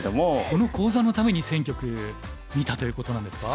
この講座のために１，０００局見たということなんですか？